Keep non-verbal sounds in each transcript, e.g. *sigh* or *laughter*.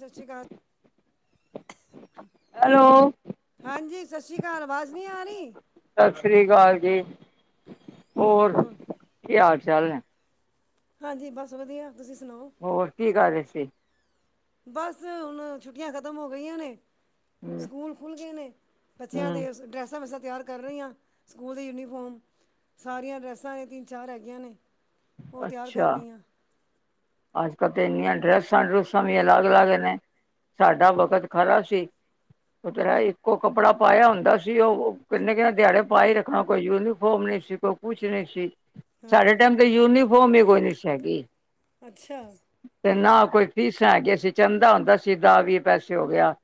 ਸਤਿ ਸ਼੍ਰੀ ਅਕਾਲ *unintelligible* ਹੈਲੋ ਹਾਂਜੀ ਸਤਿ ਸ਼੍ਰੀ ਅਕਾਲ ਅਵਾਜ਼ ਨਹੀਂ ਆ ਰਹੀ। ਸਤਿ ਸ੍ਰੀ ਅਕਾਲ ਜੀ। ਹੋਰ ਪਿਆਜ ਚੱਲ ਹਾਂਜੀ ਬਸ ਵਧੀਆ। ਤੁਸੀਂ ਸੁਣਾਓ ਹੋਰ ਕੀ ਕਰ ਰਹੇ ਸੀ। ਬਸ ਹੁਣ ਛੁੱਟੀਆਂ ਖਤਮ ਹੋ ਗਈਆਂ ਨੇ। ਹੂੰ, ਸਕੂਲ ਖੁੱਲ੍ਹ ਗਏ ਨੇ ਬੱਚਿਆਂ ਹੂੰ, ਦੇ ਡਰੈਸਾਂ ਵਾਂ ਤਿਆਰ ਕਰ ਰਹੀ ਹਾਂ ਸਕੂਲ ਦੇ ਯੂਨੀਫੋਮ ਸਾਰੀਆਂ ਡਰੈਸਾਂ ਨੇ ਤਿੰਨ ਚਾਰ ਹੈਗੀਆਂ ਨੇ। ਉਹ ਤਿਆਰ ਕਰ ਅੱਛਾ। ਰਹੀ ਹਾ ਅੱਜ ਕੱਲ੍ਹ ਤਾਂ ਇੰਨੀਆਂ ਡਰੈਸਾਂ ਡਰੂਸਾਂ ਵੀ ਅਲੱਗ ਅਲੱਗ ਨੇ ਸਾਡਾ ਵਕਤ ਖਰਾ ਸੀ ਉਹ ਤੇਰਾ ਇੱਕੋ ਕੱਪੜਾ ਪਾਇਆ ਹੁੰਦਾ ਸੀ ਉਹ ਕਿਹਨੇ ਕਿਹਨਦੇ ਦਿਹਾੜੇ ਪਾ ਹੀ ਰੱਖਣਾ ਕੋਈ ਯੂਨੀਫੋਮ ਨਹੀਂ ਸੀ ਕੋਈ ਕੁਛ ਨਹੀਂ ਸੀ। ਸਾਡੇ ਹਾਂਜੀ ਟਾਈਮ ਤੇ ਯੂਨੀਫੋਮ ਹੀ ਕੋਈ ਨੀ ਸੀ। ਹੈਗੀ। ਅੱਛਾ। ਤੇ ਨਾ ਕੋਈ ਫੀਸਾਂ ਹੈਗੀਆਂ ਸੀ ਚੰਦਾ ਹੁੰਦਾ ਸੀ ਦਾ ਵੀ ਪੈਸੇ ਹੋ ਗਿਆ।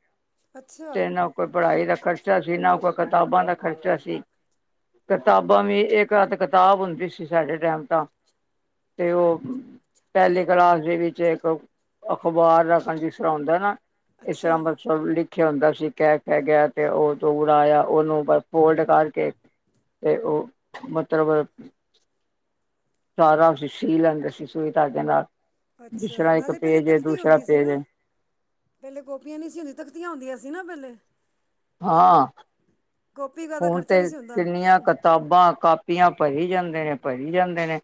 ਅੱਛਾ ਤੇ ਨਾ ਕੋਈ ਪੜ੍ਹਾਈ ਖਰਚਾ ਸੀ ਨਾ ਕੋਈ ਕਿਤਾਬਾਂ ਦਾ ਖਰਚਾ ਸੀ ਕਿਤਾਬਾਂ ਵੀ ਇਕ ਹੱਥ ਕਿਤਾਬ ਹੁੰਦੀ ਸੀ ਸਾਡੇ ਟਾਈਮ ਤਾਂ ਤੇ ਉਹ ਪਹਿਲੇ ਕਲਾਸ ਦੇ ਵਿੱਚ ਇੱਕ ਅਖਬਾਰ ਦਾ ਕੰਜੂਸਰ ਆਉਂਦਾ ਨਾ ਇਸਰ ਅੱਛਾ ਅਮਦ ਸਲੀ ਖਿਆ ਹੁੰਦਾ ਸੀ ਕਹਿ ਕਹਿ ਗਿਆ ਤੇ ਉਹ ਦੂਰਾ ਆਇਆ ਉਹਨੂੰ ਫੋਲਡ ਕਰਕੇ ਤੇ ਉਹ ਮਤਲਬ ਸਾਰਾ ਸੀ ਲੈਂਦੇ ਸੀ ਸੂਈ ਧਾਗੇ ਨਾਲ ਜਿਸ ਅੱਛਾ ਤਰ੍ਹਾਂ ਇੱਕ ਨਾਲੇ ਪਹਿਲੇ ਪੇਜ ਏ ਤਖਤੀ ਦੂਸਰਾ ਹੁੰਦੀ ਸੀ ਪੇਜ ਏ ਨਾ ਪਹਿਲੇ ਕੋਪੀਆਂ ਨਹੀਂ ਸੀ ਹੁੰਦੀ ਤਖਤੀਆਂ ਹੁੰਦੀਆਂ ਸੀ ਨਾ ਪਹਿਲੇ ਹਾਂ। ਕਾਪੀ ਦਾ ਤਾਂ ਹੁਣ ਖਰਚਾ ਤੇ ਨਹੀਂ ਸੀ ਹੁੰਦਾ ਕਿੰਨੀਆਂ ਕਿਤਾਬਾਂ ਕਾਪ ਧਤੀਆਂ ਭਰੀ ਜਾਂਦੇ ਨੇ, ਭਰੀ ਜਾਂਦੇ ਨੇ,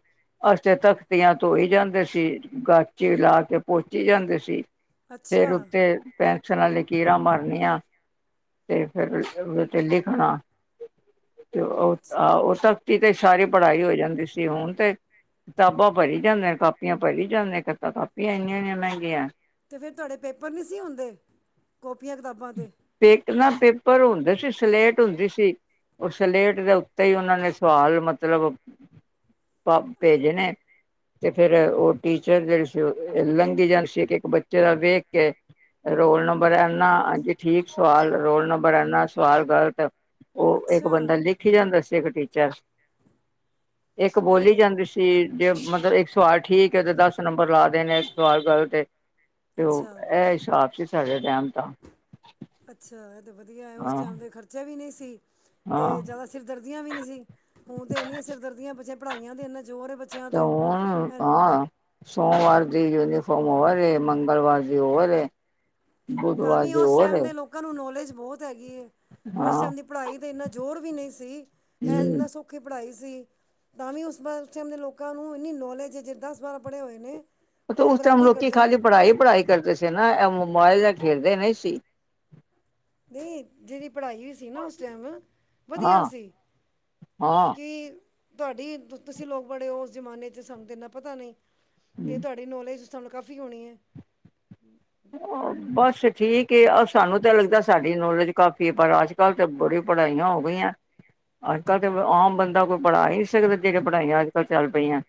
ਅਸੀ ਤੇ ਤਖਤੀਆਂ ਧੋਈ ਜਾਂਦੇ ਸੀ, ਗਾਚੀ ਲਾ ਕੇ ਪੋਚੀ ਜਾਂਦੇ ਸੀ। ਫਿਰ ਅੱਛਾ ਉੱਤੇ ਪੈਨਸਲ ਨਾਂਲ ਲਕੀਰਾਂ ਮਾਰਨੀਆਂ ਤੇ ਫਿਰ ਉਦੇ ਤੇ ਲਿਖਣਾ। ਅਤੇ ਅੱਛਾ ਉਹ ਤਾਂ ਕਿਥੇ ਤੇ ਸਾਰੀ ਪੜ੍ਹਾਈ ਹੋ ਜਾਂਦੀ ਸੀ, ਹੁਣ ਤੇ ਕਿਤਾਬਾਂ ਭਰੀ ਜਾਂਦੇਆਂ ਨੇ ਕਾਪੀਆਂ ਭਰੀ ਜਾਂਦੇਆਂ ਇੱਕ ਤਾਂ ਕਾਪੀਆਂ ਇੰਨੀਆਂ ਇੰਨੀਆਂ ਮਹਿੰਗੀਆਂ। ਤੇ ਫਿਰ ਤੁਹਾਡੇ ਪੇਪਰ ਨਹੀਂ ਸੀ ਹੁਂਦੇ। ਪੇ ਨਾ ਪੇਪਰ ਹੁੰਦੇ ਸੀ, ਸਲੇਟ ਹੁੰਦੀ ਸੀ। ਉਹ ਸਲੇਟ ਦੇ ਉੱਤੇ ਈ, ਉਹਨਾਂ ਨੇ ਸਵਾਲ ਮਤਲਬ ਭੇਜਣੇ ਤੇ ਫੇਰ ਉਹ ਟੀਚਰ ਜਿਹੜੇ ਸੀ, ਲੰਘੀ ਜਾਂਦੀ ਸੀ ਕਿ ਇੱਕ ਬੱਚੇ ਦਾ ਵੇਖ ਕੇ ਰੋਲ ਨੰਬਰ ਇਨਾ ਜੇ ਠੀਕ ਸਵਾਲ ਰੋਲ ਨੰਬਰ ਇੰਨਾ ਸਵਾਲ ਗਲਤ ਔ ਇੱਕ ਅੱਛਾ ਬੰਦਾ ਲਿਖ ਹੀ ਜਾਂਦਾ ਸੀ। ਟੀਚਰ ਇੱਕ ਇਹ ਬੋਲੀ ਤੇ ਜਾਂਦੀ ਸੀ ਜੇ ਮਤਲਬ ਤੇ ਇੱਕ ਸਵਾਲ ਠੀਕ ਹੈ ਤੇ, ਦਸ ਨੰਬਰ ਲਾ ਦੇ ਨੇ, ਇੱਕ ਸਵਾਲ ਗੱਲ ਤੇ ਤੇ ਔ ਅੱਛਾ ਇਹ ਹੀਸਾਬ ਸੀ, ਸਾਡੇ ਟਾਈਮ ਤਾਂ ਅੱਛਾ ਔਰ ਤੇ ਵਧੀਆ ਹੈ, ਉਸ ਹਾਂ ਟਾਈਮ ਦੇ ਖਰਚੇ ਵੀ ਨਹੀਂ ਸੀ ਕੀ ਹਾਂ ਤੇ ਜ਼ਿਆਦਾ ਸਿਰ ਦਰਦ ਦੀਆਂ ਵੀ ਨੀ ਸੀ, ਹੁਣ ਤੇ ਇਹਨੀਆਂ ਸਿਰ ਦਰਦੀਆਂ ਬਚੇ ਪੜ੍ਹਾਈਆਂ ਤੇ ਇਹਨਾ ਜ਼ੋਰ ਹੈ ਬੱਚਿਆਂ ਤੇ ਹੁਣ ਹਾਂ ਸੋਮਵਾਰ ਦੀ ਯੂਨੀਫ ਹੁਣ ਹੋਰ ਏ, ਮੰਗਲਵਾਰ ਦੀ ਹੋਰ ਏ ਤਾਂ ਬੁੱਧਵਾਰ ਵੀ ਦੀ ਉਸ ਹੋਰ ਟਾਈਮ ਏ ਦੇ ਲੋਕਾਂ ਨੂੰ ਨੌਲੇਜ ਬਹੁਤ ਹੈਗੀ ਹੈ, ਹਾਂ ਉਸ ਟਾਈਮ ਦੀ ਪੜ੍ਹਾਈ ਤੇ ਇੰਨਾ ਜ਼ੋਰ ਵੀ ਨਹੀਂ ਸੀ ਇਹ ਹੂੰ ਇੰਨਾ ਸੌਖੀ ਪੜ੍ਹਾਈ ਸੀ ਤਾਂ ਵੀ ਉਸ ਬਾ ਉਸ ਟਾਈਮ ਦੇ ਲੋਕਾਂ ਨੂੰ ਇੰਨੀ ਨੌਲੇਜ ਹੈ, ਜੜੇ ਦਸ ਬਾਰਾਂ ਪੜ੍ਹੇ ਹੋਏ ਨੇ ਉਹ ਉਸ ਟਾਈਮ ਬਰਾਬਰੀ ਲੋਕ ਕੀ ਕਰਦੇ ਖਾਲੀ ਨੇ ਪੜ੍ਹਾਈ, ਪੜ੍ਹਾਈ ਕਰਦੇ ਸੀ ਨਾ, ਏ ਮੋਬਾਈਲ ਖੇਲਦੇ ਨਹੀਂ ਸੀ। ਨਹੀਂ ਜਿਹੜ ਪੜ੍ਹਾਈ ਵੀ ਸੀ ਨਾ ਉਸ ਟਾਈਮ ਵਧੀਆ ਹਾਂ ਸੀ ਹਾਂ ਕਿ ਤੁਹਾਡੀ ਤੁ ਤੁਸੀਂ ਲੋਕ ਬੜੇ ਹੋ ਉਸ ਜ਼ਮਾਨੇ 'ਚ ਸਾਨੂੰ ਤੇ ਇਨਾ ਪਤਾ ਨਹੀਂ ਤੇ ਤੁਹਾਡੀ ਨੌਲੇਜ ਤੁਹਾਨੂੰ ਕਾਫੀ ਹੋਣੀ ਹੈ। ਨਈ ਹੋਰ ਬੱਸ ਠੀਕ ਹੈ, ਆ ਸਾਨੂੰ ਤਾਂ ਲੱਗਦਾ ਸਾਡੀ ਨੌਲੇਜ ਕਾਫੀ ਹੈ ਪਰ ਅੱਜ ਕੱਲ੍ਹ ਤਾਂ ਬੜੀ ਪੜ੍ਹਾਈਆਂ ਹੋ ਗਈਆਂ, ਅੱਜ ਕੱਲ੍ਹ ਤਾਂ ਆਮ ਬੰਦਾ ਕੋਈ ਪੜ੍ਹਾ ਹੀ ਨਹੀਂ ਸਕਦਾ ਜਿਹੜੇ ਪੜ੍ਹਾਈਆਂ ਅੱਜ ਕੱਲ੍ਹ ਚੱਲ ਪਈਆਂ।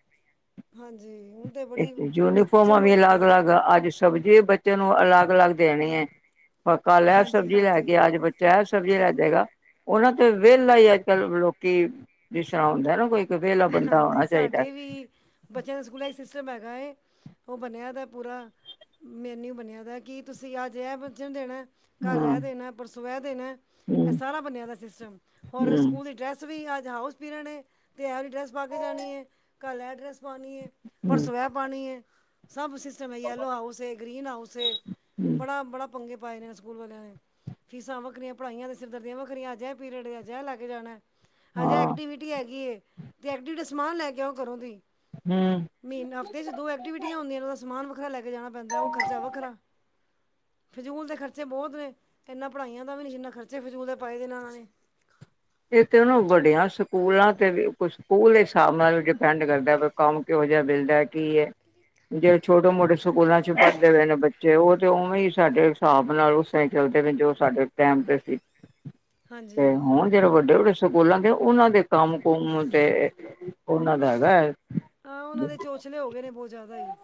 ਹਾਂਜੀ ਹੁਣ ਤੇ ਬੜੀ ਯੂਨੀਫੋਰਮ ਆ ਵੀ ਸਮਝ ਅਲੱਗ ਬਾਹਰ ਅਲਗ ਆਜ ਸਬਜੀ ਬੱਚੇ ਨੂੰ ਅਲੱਗ ਅਲੱਗ ਦੇਣੀ ਏ। ਕਾਲ ਏ ਲੈ ਹਾਂਜੀ ਸਬਜ਼ੀ ਲੈ ਕੇ ਹਾਂਜੀ ਆੱਜ ਬੱਚਾ ਏ ਸਬਜ਼ੀ ਸਬਜ਼ੀ ਲੈਜੇਗਾ ਉਹਨਾਂ ਤੇ ਵਿਹਲਾ ਹੀ ਅੱਜ ਕੱਲ ਲੋਕੀ ਜਿਸ ਤਰ੍ਹਾਂ ਹੁੰਦਾ ਨਾ ਕੋਈ ਵਿਹਲਾ ਬੰਦਾ ਹਾਂਜੀ, ਹੋਣਾ ਚਾਹੀਦਾ ਸਾਡੇ ਵੀ ਬੱਚਿਆਂ ਦਾ ਸਕੂਲਾਂ ਹੀ ਸਿਸਟਮ ਹੈਗਾ ਏ ਉਹ ਬਣਿਆ ਦਾ ਪੂਰਾ ਮੈਨਿਊ ਬਣਿਆ ਦਾ ਕੀ ਤੁਸੀਂ ਅੱਜ ਇਹ ਬਚਣ ਦੇਣਾ ਏ ਕਾਲ ਏ ਹਮ ਦੇਣਾ ਏ ਨੇ ਪਰਸੋਂ ਏ ਦੇਣਾ ਇਹ ਹਮ ਸਾਰਾ ਬਨਿਆਦਾ ਸਿਸਟਮ ਹੋਰ ਹੂੰ, ਸਕੂਲ ਦੀ ਡਰੈੱਸਸ ਵੀ ਆ ਹਾਸ ਪਿਰਣੇ ਤਿਆਰ ਡਰੈਸ ਪਾ ਕੇ ਜਾਣੀ ਹੈ ਕੱਲ੍ਹ ਐਡਰੈਸ ਪਾਣੀ ਹੈ ਪਰ ਹੂੰ, ਸਵੈ ਪਾਣੀ ਹੈ ਸਭ ਸਿਸਟਮ ਹੈ ਯੈਲੋ ਹਾਊਸ ਹੈ ਗਰੀਨ ਹਾਊਸ ਹੈ ਹੂੰ, ਬੜਾ ਬੜਾ ਪੰਗੇ ਪਾਏ ਰਹੇ ਸਕੂਲ ਵਾਲਿਆਂ ਨੇ ਫੀਸਾਂ ਵੱਖਰੀਆਂ ਪੜ੍ਹਾਈਆਂ ਸਿਰਦਰਦੀਆਂ ਵੱਖਰੀਆਂ ਅਜਿਹੇ ਪੀਰੀਅਡ ਅਜਿਹੇ ਲੈ ਕੇ ਜਾਣਾ ਹਜਾ ਹਾਂ, ਐਕਟੀਵਿਟੀ ਹੈਗੀ ਏ ਤੇ ਐ ਡਡੇ ਸਮਾਨ ਲੈ ਕੇ ਆਉਂ ਘਰੋਂ ਦੀ ਹੂੰ। ਮਹੀ ਹਫ਼ਤੇ ' ਦੋ ਐਕਟੀਵਿਟੀਆਂ ਹੁੰਦੀਆਂ ਸਮਾਨਦਾ ਖ *unintelligible* ਕੇ ਜਾਣਾ ਪੈਂਦਾ ਉਹ ਖਰਚਾ ਵੱਖਰਾ ਫਜ਼ੂਲ ਦੇ ਖਰਚੇ ਬਹੁਤ ਨੇ ਇਨਾ ਪੜ੍ਹਾਈਆਂ ਦਾ ਵੀ ਨਹੀਂ ਜਿੰਨਾ ਖਰਚੇ ਫਜ਼ੂਲ ਦੇ ਪਾਏ ਦੇ ਨਾਲਨਾਂ ਨੇ ਇਹ ਤੇ ਉਹਨੂੰ ਵੱਡੀਆਂ ਸਕੂਲਾਂ ਤੇ ਵੀ ਸਕੂਲ ਦੇ ਹਿਸਾਬ ਨਾਲ ਡਿਪੈਂਡ ਕਰਦਾ ਵੀ ਕੰਮ ਕਿਹੋ ਜਿਹਾ ਮਿਲਦਾ ਕੀ ਹੈ ਜਿਹੜੇ ਛੋਟੇ ਮੋਟੇ ਸਕੂਲਾਂ ਚ ਪੜ੍ਹਦੇ ਹੋਏ ਨੇ ਬੱਚੇ ਉਹ ਤੇ ਉਵੇਂ ਹੀ ਸਾਡੇ ਹਿਸਾਬ ਨਾਲ ਉਸਾਈ ਚਲਦੇ ਵੀ ਜੋ ਸਾਡੇ ਟਾਈਮ ਤੇ ਸੀ ਹਾਂਜੀ ਵੱਡੇ ਵੱਡੇ ਸਕੂਲਾਂ ਦੇ ਉਹਨਾਂ ਦੇ ਕੰਮ ਕੁਮ ਤੇ ਉਹਨਾਂ ਦਾ ਹੈਗਾ ਹੈ ਹਾਂ ਉਹਨਾਂ ਦੇ ਚੋਚਲੇ ਹੋ ਗਏ ਨੇ ਬਹੁਤ ਜ਼ਿਆਦਾ ਹੀ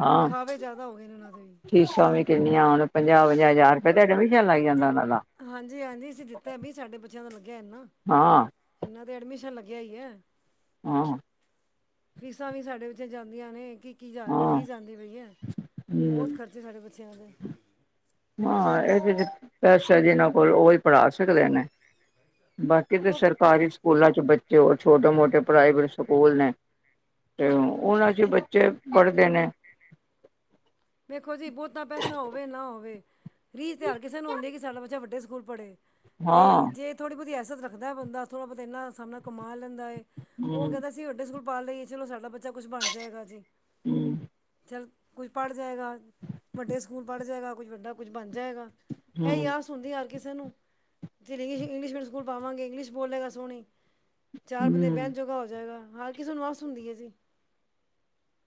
ਹਾਂ ਵਿਖਾਵੇ ਜ਼ਿਆਦਾ ਹੋ ਗਏ ਨੇ ਉਹਨਾਂ ਦੇ ਵੀ ਫੀਸਾਂ ਵੀ ਕਿੰਨੀਆਂ ਹੁਣ ਪੰਜਾਹ ਪੰਜੰਾਹ ਹਜ਼ਾਰ ਰੁਪਏ ਤੇ ਐਡਮਿਸ਼ਨ ਲੱਗ ਜਾਂਦਾ ਉਹਨਾਂ ਦਾ ਹਾਂਜੀ ਹਾਂਜੀ ਅਸੀਂ ਦਿੱਤਾ ਬ ਸਾਡੇ ਬੱਚਿਆਂ ਦਾ ਲੱ ਇਹਨਾ ਹਾਂ, ਇਹਨਾਂ ਤੇ ਐਡਮਿਸ਼ਨ ਲ ਜ ਹੈ ਹਾਂ ਫੀਸਾਂ ਵੀ ਸਾਡੇ ਵਿੱਚ ਜਾਂਦੀਆਂ ਨੇ ਕੀ ਇੱਕੀ ਹਜ਼ਾਰ ਹਾਂ, ਰੁਪਏ਼ੀਸ ਆਉਦੀ ਪਈ ਹੈ ਬਹੁ ਹੂੰ। ਖਰਚੇ ਸਾਡੇ ਬੇ ਚਿਆਲ *unintelligible* ਹਾਂ ਇਹ ਪ ਸ ਜ ਨ ਉਹ ਵੀ ਪੜ੍ਹਾ ਸਕਦੇ ਨੇ ਬਾਕੀ ਤੇ ਉਹ ਸਰਕਾਰੀ ਸਕੂਲ ਚ ਬੱਚੇ ਉਹ ਛੋਟੇ ਮੋਟੇ ਪ੍ਰਾਈਵੇਟ ਸਕੂਲ ਨੇ ਤੇ ਹੁਨਾਂ ਅਸੀ ਬੱਚੇ ਪੜ੍ਹਦੇ ਨੇ ਰੀ ਇਸ਼ਤਹਰ ਕਿਸੇ ਨੂੰ ਆਉਂਦੇ ਹੈ ਕਿ ਸਾਡਾ ਬੱਚਾ ਵੱਡੇ ਸਕੂਲ ਪੜ੍ਹੇ ਤੇ ਹਾਂ ਜੇ ਥੋੜ੍ਹੀ ਬਹੁਤੀ ਅਸਤ ਰੱਖਦਾ ਬੰਦਾ ਥੋੜਾ ਬਹੁਤ ਇੰਨਾ ਸਣਾ ਕਮਾਲ ਲੈਂਦਾ ਏ ਉਹ ਹੂੰ ਕਹਿੰਦਾ ਸੀ ਵਡੇ ਸਕੂਲ ਪਾਾਲ ਲਈਏ ਚਲ ਸਾਡਾ ਬੱਚਾ ਅੱਛਾ ਕੁਛ ਬਣ ਜਾਏਗਾ ਜੀ ਹੂੰ ਚੱਲ ਕੋਈ ਪੜ੍ਹ ਜਾਏਗਾ ਵੱਡੇ ਸਕੂਲ ਪੜ੍ਹ ਜਾਏਗਾ ਕੁਝ ਵੱਡਾ ਕੁਝ ਬਣ ਜਾਏਗਾ ਇਹ ਹੂੰ ਆ ਸੁ ਹਣਦੀ ਹਰ ਕਿਸੇ ਨੂੰ ਫਿਰੰ ਇੰਲਿਸ਼ ਮੀਅਮ ਸਕੂਲ ਪਾਵਾਂਗੇ ਇਗਲਿਸ਼ੋਲਲੇ ਅ ਸਹਨ ਚਾਰ ਬੰਦੇ ਹੂੰ ਬਹਿਣ ਜੋੋਗਾ ਹੋ ਜਾਏਗਾ ਹਰ ਕਿਸੇ ਨੂੰ ਮਸ ਹੁੰਦੀ ਹੈ ਜੀ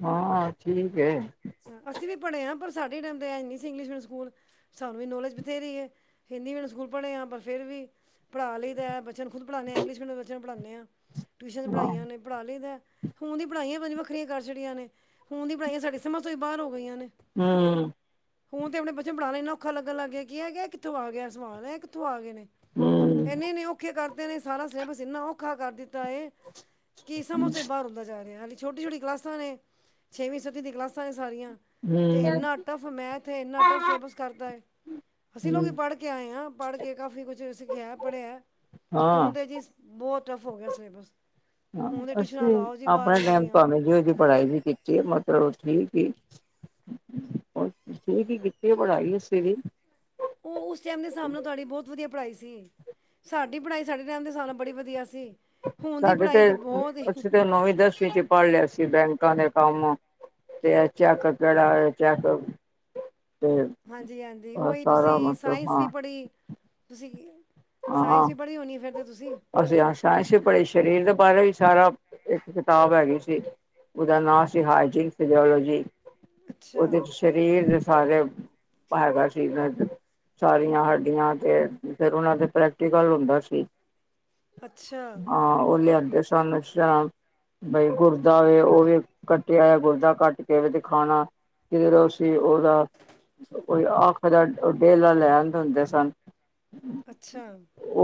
ਹਾਂ ਠੀਕ ਹੈ ਅਸੀਂ ਵੀ ਪੜ੍ਹੇ ਹਾਂ ਪਰ ਸਾਡੇ ਟਾਈਮ ਤੇ ਐ ਨਹੀਂ ਸੀ ਇੰਗਲਿਸ਼ ਮੀਡੀਅਮ ਸਕੂਲ ਸਾਨੂੰ ਵੀ ਨੌਲੇਜ ਬਥੇਰੀ ਹੈ ਹਿੰਦੀ ਮੀਡੀਅਮ ਸਕੂਲ ਪੜ੍ਹੇ ਹਾਂ ਪਰ ਫਿਰ ਵੀ ਪੜ੍ਹਾ ਲਈ ਤਾਂ ਹੈ ਖੁਦੜ੍ਹਾ ਇੰਗਸ਼ਅ ਬੱਚ ਬਣਾਉਦੇ ਹਾਂ ਟਿਊਸ਼ਨ ਹਾਂ ਪੜ੍ਹਾਈਆਂ ਨੇ ਪੜ੍ਹ ਲ ਲਈ ਤਾਂ ਹੁਣ ਦੀ ਪੜ੍ਹਾਈਆਂ ਪੰਜ ਵੱਖਰੀਆਂ ਕਰ ਛੜੀਆਂ ਨੇ ਹੁਣ ਦੀ ਪੜ੍ਹਾਈਆਂ ਸਾਡੀ ਸਮੱਸ ਉੱ ਬਾਰੋ ਹਮ ਹੁਣ ਤੇ ਆਪਣੇ ਬੱਚੇ ਪੜਾਉਣ ਲਈ ਇੰ ਔਾ ਲੱਗਣ ਲੱਗ ਗਿਆਿਆ ਹੈ ਗਿਆ ਕਿੱਥੋਂ ਆ ਗਿਆ ਸਵਾਲ ਹੈ ਕਿੱਥੋਂ ਆ ਗਏ ਨੇ ਹੂੰ ਇਨੇ ਨੀ ਔਖੇ ਕਰਦੇ ਨੇ ਸਾਰਾ ਸਿਲੇਬਸ ਇੰਨਾ ਔਖਾ ਕਰ ਦਿੱਤਾ ਹੈਏ ਕੀ ਸਮਾਂ ਤੋਂ ਬਾਹਰ ਹੁੰਦਾ ਜਾ ਰਿਹਾ ਹਾਲ ਛੋਟੀ ਛਟੀ ਕਲਾਸਾਂ ਨੇ ਛਵੀਂ ਸੱਵੀ ਦੀਆਂ ਕਲਾਸਾਂ ਸਾਂ ਸਾਰੀਆਂ ਤੇ ਹੂੰ ਇੰਨਾ ਟਫ ਮੈਥ ਹੈ ਇੰਨਾ ਟੱਫ ਸਿਲੇਬਸ ਕਰਤਾ ਹੈ ਅਸੀਂ ਲੋਕ ਹੂੰ ਪੜ੍ਹ ਕੇ ਆਏ ਹਾਂ ਪੜ੍ਹ ਕੇ ਕਾਫ਼ੀ ਕੁਛ ਸਿਖਿਆ ਪੜ੍ਹਿਆ ਹਾਂ ਹੁਣ ਤੇ ਜੀ ਬਹੁਅਤਫੋ ਗਸਮਸ ਹ ਅਸੀਂ ਆਪਣੇ ਇਹਨਾਂ ਟਾਈਮ ਦੀਆਂ ਭਾਵੇਂ ਜ ਇਹਦੀ ਪੜ੍ਹਾਈ ਵੀ ਕੀਤੀ ਹੈ ਮਤਲਬ ਠੀਕ ਹੀ ਠੀਕ ਹੀ ਕੀਤੀ ਬਣਾਾਈ ਅਸੀਂ ਵੀ ਉਹ ਉਸ ਟਾਈਮ ਦੇ ਹਿਸਾਬ ਨਾਲ ਤੁਹਾਡੀ ਬਹੁਤ ਵਧੀਆ ਪੜ੍ਹਾਈ ਸੀ ਸਾਡੀ ਪੜ੍ਹਾਈ ਸਾਡੇ ਟਾਈਮ ਦੇ ਹਿਸਾਬ ਨਾਲ ਬੜੀ ਵਧੀਆ ਸੀ ਹੁਣ ਦੀ ਸਾਡੇ ਤੇ ਪੜ੍ਹਾਈ ਤਾਂ ਬਹੁਤ ਹੀ ਅਸੀਂ ਤੇ ਨੌਵੀਂ ਦਸਵੀਂ ਚ ਪੜ੍ਹ ਲਿਆ ਸੀ ਬੈਂਕਾਂ ਦੇ ਕੰਮ ਤੇ ਚੈੱਕਅਪ ਕਿਹੜਾ ਹੋ ਚੈਕਅ ਹਾਂਜੀ ਹਾਂਜੀ ਉਹੀ ਤੁਸੀਂ ਮਤਲਬ ਸਾਇੰਸ ਵੀ ਹਾਂ ਪੜ੍ਹੀ ਤੁਸੀਂ ਸਾਇੰਸ ਹਾਂ ਵੀ ਪੜ੍ਹੀ ਹੋਣੀ ਫਿਰ ਤਾਂ ਤੁਸੀਂ ਅਸੀਂ ਹ ਸਾਇੰਸ ਵੀ ਪੜ੍ਹੇ ਸਰੀਰ ਦੇ ਬਾਰੇ ਵੀ ਸਾਰਾ ਇੱਕ ਕਿਤਾਬ ਹੈਗੀ ਸੀ ਉਹਦਾ ਨਾਂ ਸੀ ਹਾਈਜੀਨ ਫਿਜ਼ਓਲੋਜੀ ਅੱਛਾ ਉਹਦੇ ਸ਼ਰੀਰ ਸਾਰੇ ਹੈਗਾ ਸੀ ਸਾਰੀਆਂ ਹੱਡੀਆਂ ਤੇ ਫੇਿਰ ਉਹਨਾਂ ਦੇ ਪ੍ਰੈਕਟੀਕਲ ਹੁੰਦਾ ਸੀ ਅੱਛਾ ਹਾਂ ਉਹ ਲਿਆਂਦੇ ਸਾਨੂੰ ਬਈ ਗੁਰਦਾ ਵੇ ਉਹ ਵੀ ਕੱਟਿਆ ਆਇਆ, ਗੁਰਦਾ ਕੱਟ ਕੇ ਵੀ ਦਿਖਾਉਣਾ, ਫਿਰ ਅਸੀ ਉਹਦਾ ਅੱਖ ਦਾ ਡੇਲਾ ਲੈ ਆਉਂਦੇ ਹੁੰਦੇ ਸਨ। ਅੱਛਾ।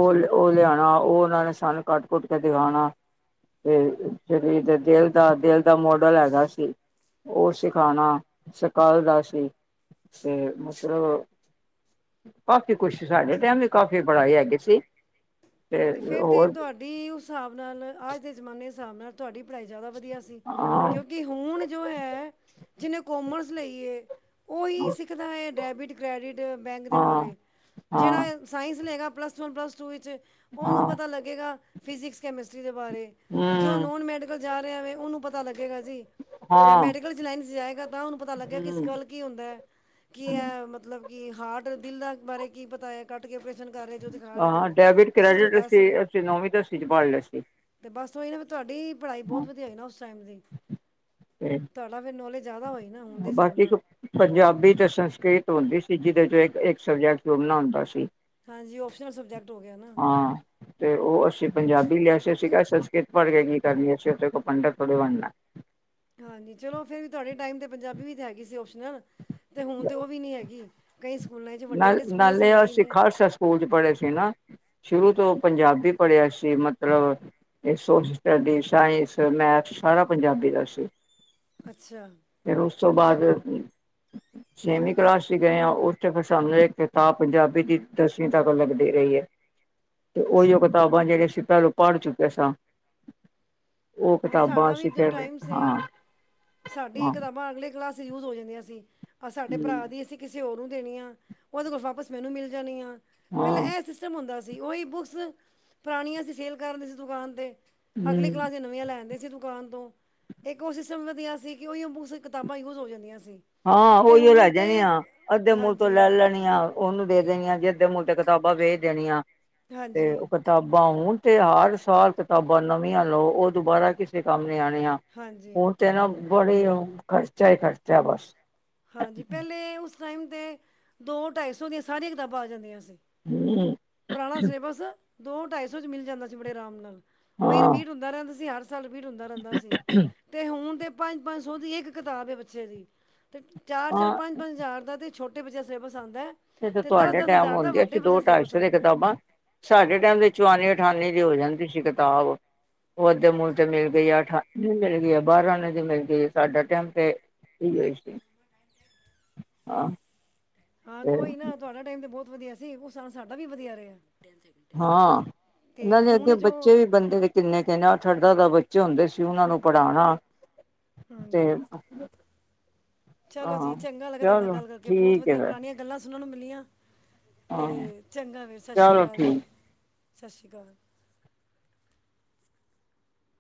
ਫਿਰ ਉਹ ਲਿਆਉਣਾ, ਉਹ ਉਹਨਾਂ ਨੇ ਸਾਨੂੰ ਕੱਟ ਕੁੱਟ ਕੇ ਦਿਖਾਉਣਾ ਤੇ ਸਰੀਰ ਦੇ ਦਿਲ ਦਾ ਦਿਲ ਦਾ ਮੋਡਲ ਹੈਗਾ ਸੀ, ਉਹ ਸਿਖਾਣਾ ਸਖਾਲਦਾ ਸੀ ਤੇ ਮਤਲਬ ਕਾਫੀ ਕੁਛ ਸਾਡੇ ਟਾਈਮ ਵੀ ਕਾਫੀ ਪੜ੍ਹਾਈ ਹੈਗੀ ਸੀ। ਤੇ ਫੇਰ ਤੇ ਤੁਹਾਡੀ ਉਸ ਹਿਸਾਬ ਨਾਲ ਅੱਜ ਦੇ ਜ਼ਮਾਨੇ ਹਿਸਾਬ ਨਾਲ ਤੁਹਾਡੀ ਪੜ੍ਹਾਈ ਜ਼ਿਆਦਾ ਵਧੀਆ ਸੀ, ਹਾਂ ਕਿਉਂਕਿ ਹੁਣ ਜੋ ਹੈ ਜਿੰਨੇ ਕੌਮਰਸ ਲਈ ਏ ਉਹੀ ਸਿੱਖਦਾ ਏ। ਡੈਬਿਟ, ਕ੍ਰੈਡੀਿਟ ਬੈਂਕ ਦੇ ਹਾਂ ਬਾਰੇ, ਹਾਂ ਜਿਹੜਾ ਸਾਇੰਸ ਲਏਗਾ ਪਲੱਸ ਵਨ, ਪਲੱਸ ਟੂ ਵਿੱਚ ਹਾਂ ਉਹਨੂੰ ਪਤਾ ਲੱਗੇਗਾ ਫਜਿਕਸ ਕੈਮਿਸਟਰੀ ਦੇ ਬਾਰੇ ਜਿੱਥੇ ਉਹ ਹਮ ਨੋਨ ਮੈਡੀਕਲ ਜਾ ਰਿਹਾ ਵੇ, ਉਹਨੂੰ ਪਤਾ ਲੱਗੇਗਾ। ਹਾਂ ਮੈਡੀਕਲ ਲਾਈਨ ਚ ਜਾਏਗਾ, ਤਾਂ ਉਹਨੂੰ ਪਤਾ ਲੱਗਿਆ ਕਿ ਹਮ ਸਕਿਲ ਕੀ ਹੁੰਦਾ ਹੈ, ਕੀ ਹੈ ਮਤਲਬ ਕੇ ਹਾਰਟ ਦਿਲ ਦਾ ਬਾਰੇ ਕੀ ਪਤਾ ਏ, ਕੱਟ ਕੇ ਕਰ ਰਹੇ ਜੋ ਦਿਖਾ ਰਹੇ। ਹਾਂ ਡੈਬਿਟ ਤੁਸੀਂ ਜੋ ਕ੍ਰੈਡਿਟ ਦੱਸ ਅਸੀਂ ਰਹੇ ਅਸੀਂ ਹੋ ਨੌਵੀਂ ਦਸਵੀ ਚ ਪੜ ਲਿਆ ਸੀ। ਤੇ ਬਸ ਉਹ ਹੀ ਨਾ ਤੁਹਾਡੀ ਤੁਹਾਡੀ ਪੜ੍ਹਾਈ ਬਹੁਤ ਹਾਂ ਵਧੀਆ ਨਾ ਉਸ ਟਾਈਮ ਦੀ, ਤੇ ਤੁਹਾਡਾ ਫਿਰ ਨੌਲੇਜ ਜ਼ਿਆਦਾ ਹੋਏ। ਬਾਕੀ ਇੱਕ ਪੰਜਾਬੀ ਤੇ ਸੰਸਕ੍ਰਿਤ ਹੁੰਦੀ ਸੀ ਜਿਹਦੇ ਚੋਂ ਇੱਕ ਸਬਜੈਕਟ ਚੁਣਨਾ ਹੁੰਦਾ ਸੀ। ਹਾਂਜੀ, ਉਪਸ਼ਨ ਸਬਜੈਕਟ ਹੋ ਗਿਆ ਨਾ। ਹਾਂ ਤੇ ਉਹ ਅਸੀਂ ਪੰਜਾਬੀ ਲਿਆ ਸੀ, ਅਸੀ ਕਿਹਾ ਸੰਸਕ੍ਰਿਤ ਪੜ ਕੇ ਕੀ ਕਰਨੀ, ਅਸੀਂ ਉੱਥੇ ਕੋਈ ਪੰਡਿਤ ਥੋੜੇ ਬਣਨਾ। ਹਾਂਜੀ, ਚਲੋ ਫੇਰ ਵੀ ਤੁਹਾਡੇ ਟਾਈਮ ਤੇ ਪੰਜਾਬੀ ਵੀ ਤਾਂ ਹੈਗੀ ਸੀ ਉਪਸ਼ਨਲ, ਤੇ ਹੁਣ ਤੇ ਉਹ ਵੀ ਨਹੀਂ ਹੈਗੀ। ਕਈ ਸਕੂਲਾਂ 'ਚ ਵੱਡੇ ਨਾਲ ਵੱਡੇ ਸਕੂਲਾਂ 'ਚ ਨਾਲੇ ਹੈ ਹੀ ਅਸੀਂ ਨਹੀਂ ਖਾਲਸਾ ਸਕੂਲ ਚ ਪੜ੍ਹੇ ਸੀ ਨਾ। ਸ਼ੁਰੂ ਤੋਂ ਪੰਜਾਬੀ ਪੜ੍ਹਿਆ ਸੀ, ਮਤਲਬ ਇਹ ਸੋਸ਼ਲ ਸਟੱਡੀ, ਸਾਇੰਸ, ਮੈਥ, ਸਾਰਾ ਪੰਜਾਬੀ ਦਾ ਸੀ। ਅੱਛਾ ਫਿਰ ਉਸ ਤੋਂ ਬਾਅਦ ਛੇਵੀਂ ਕਲਾਸ ਚ ਗਏ ਆ ਉਸ ਫਿਰ ਸਾਨੂੰ ਇਹ ਕਿਤਾਬ ਪੰਜਾਬੀ ਦੀ ਦਸਵੀਂ ਤੱਕ ਲੱਗਦੀ ਰਹੀ ਏ। ਤੇ ਉਹੀਉ ਅੱਛਾ ਕਿਤਾਬਾਂ ਜਿਹੜੀਆਂ ਅਸੀਂ ਪਹਿਲਾਂ ਪੜ੍ਹ ਚੁੱਕੇ ਸਾਂ। ਉਹ ਹਾਂ ਕਿਤਾਬਾਂ ਸਾਡਾ ਵੀ ਅਸੀਂ ਜੋ ਫਿਰ ਟਾਈਮ ਸੀ ਹਾਂ ਸਾਡੀ ਹਾਂ ਕਿਤਾਬਾਂ ਅਗਲੇ ਕਲਾਸ ਚ ਯੂਜ ਹੋ ਜਾਂਦੀਆਂ ਸੀ। ਆ ਸਾਡੇ ਹੂੰ ਭਰਾ ਦੀ ਅਸੀਂ ਕਿਸੇ ਹੋਰ ਨੂੰ ਦੇਣੀ ਆ ਉਹਦੇ ਕੋਲ ਵਾਪਸ ਮੈਨੂੰ ਮਿਲ ਜਾਣੀ ਆ। ਪਹਿਲਾਂ ਹਾਂ ਇਹ ਸਿਸਟਮ ਹੁੰਦਾ ਉਹੀ ਬੁੱਕਸ ਪੁਰਾਣੀਆਂ ਸੀਂ ਸੇਲ ਕਰਦੇ ਸੀ ਦੁਕਾਨ 'ਤੇ। ਅਗਲੀ ਹੂੰ ਕਲਾਸ ਦੀ ਨਵੀਆ ਦੁਕਾਨ ਤੋਂ ਇੱਕ ਉਹ ਸਿਸਟਮ ਵਧੀਆ ਸੀ ਕਿ ਉਹੀ ਇਕ ਦੂਜੇ ਕਿਤਾਬਾਂ ਯੂਜ ਹੋ ਜਾਂਦੀਆਂ। ਸੀ ਹਾਂ ਤੇ ਉਹੀਓ ਹੁਣ ਲੈ ਤੇ ਜਾਣਿਆ ਅੱਧੇ ਮੂਲ ਤੋਂ ਹਾਂਜੀ ਲੈ ਲੈਣੀਆ ਉਹਨੂੰ ਦੇ ਦੇਣੀਆਂ ਜੇ ਅਧੇ ਮੁੱਲ ਤੇ ਕਿਤਾਬਾਂ ਵੇਚ ਦੇਣੀਆਂ। ਤੇ ਉਹ ਹਾਂਜੀ ਕਿਤਾਬਾਂ ਹੂਣ ਤੇ ਹਰ ਸਾਲ ਕਿਤਾਬਾਂ ਨਵੀਆਂ ਲਓ ਉਹ ਦੁਬਾਰਾ ਕਿਸੇ ਕੰਮ ਨੀ ਆਣੀਆ। ਹਾਂਜੀ ਹੁਣ ਤੇ ਨਾ ਬੜੇ ਔਂ ਖਰਚਾ ਖਰਚਾ ਬਸ ਹਾਂਜੀ ਪਹਿਲੇ ਉਸ ਉਸ ਟਾਈਮ 'ਤੇ ਦੋ ਢਾਈ ਸੌ ਦੀਆਂ ਸਾਰੀਆਂ ਕਿਤਾਬਾਂ ਆ ਜਾਂਦੀਆਂ ਸੀ। ਹੂੰ ਪੁਰਾਣਾ ਸਿਲੇਬਸ ਦੋ ਢਾਈ ਸੌ ਚ ਮਿਲ ਜਾਂਦਾ ਸੀ ਬੜੇ ਆਰਾਮ ਨਾਲ। ਉਹੀ ਹਾਂ ਰਿਪੀਟ ਹੁੰਦਾ ਰਹਿੰਦਾ ਸੀ ਹਰ ਸਾਲ ਰਪੀਟ ਹੁੰਦਾ ਰਹਿੰਦਾ ਸੀ। ਤੇ ਹੁਣ ਤੇ ਪੰਜ ਪੰਜ ਸੌ ਦੀ ਇੱਕ ਕਿਤਾਬ ਹੈ ਬੱਚੇ ਦੀ। ਤੇ ਚਾਰ ਚਾਰ ਹਾਂ ਪੰਜ ਪੰਜ ਹਜ਼ਾਰ ਦਾ ਤਾਂ ਛੋਟੇ ਬੱਚੇ ਦਾ ਸਲੇਬਸ ਆਉਂਦਾ ਹੈ। ਜਦੋਂ ਤੇ ਤੁਹਾਡੇ ਟਾਈਮ ਹਜ਼ਾਰ ਦਾ ਹੁੰਦਿਆਂ ਸੀ ਵੱਡੇ ਬੱਚੇ ਦੋ ਦਾ ਸਿਲੇਬਸ ਟਾਈਸੋ ਦੀ ਆਂਦਾ ਹੈ ਕਿਤਾਬਾਂ, ਸਾਡੇ ਟਾਈਮ ਦੇ ਚੁਵਾਨੀ ਅਠਾਨੀ ਦੀ ਹੋ ਜਾਂਦੀ ਸੀ ਕਿਤਾਬ, ਉਹ ਅੱਧੇ ਮੁੱਲ ਤੇ ਮਿਲ ਗਈ ਆ ਅਠ ਆਨੇ ਦੀ ਮਿਲ ਗਈ ਆ, ਬਾਰਾਂ ਆਨੇ ਦੀ ਮਿਲ ਗਈ ਆ, ਸਾਡਾ ਟਾਈਮ ਤੇ ਇਹੀ ਹੋ ਸੀ ਹਾਂ। ਹਾਂ ਤੇ ਉਈ ਨਾ ਤੁਹਾਡਾ ਟਾਈਮ ਤੇ ਬਹੁਤ ਵਧੀਆ ਸੀ। ਉਸ ਇਸਾਬ ਨਾਲ ਸਾਡਾ ਵੀ ਵਧੀਆ ਰਿਹਾ। ਹਾਂ ਤੇ ਇਹਨਾਂ ਦੇ ਅੱਗੇ ਹੁਣ ਜੋ ਬੱਚੇ ਵੀ ਬੰਦੇ ਦੇ ਕਿੰਨੇ ਕਿੰਨੇ ਆਠ ਆਠ ਦਾ ਦਾ ਬੱਚੇ ਹੁੰਦੇ ਸੀ ਉਹਨਾਂ ਨੂੰ ਪੜ੍ਹਾਉਣਾ। ਤੇ ਹਾਂਜੀ ਚਲੋ ਜੀ ਹਾਂ ਚੰਗਾ ਲੱਗਾ ਤੁਹਾਡੇ ਨਾਲ ਚਲੋ ਗੱਲ ਕਰਕੇ ਬਹੁਤ ਠੀਕ ਵਧੀਆ ਹੈ ਫਿਰ ਪੁਰਾਣੀਆਂ ਗੱਲਾਂ ਸੁਨਣ ਨੂੰ ਮਿ ਮਿਲੀਆਂ। ਤੇ ਹਾਂ ਚੰਗਾ ਫੇਰ ਸਤਿ ਸ੍ਰੀ ਚਲੋ ਅਕਾਲ ਜੀ। ਠੀਕ ਸਤਿ ਸ਼੍ਰੀ ਅਕਾਲ।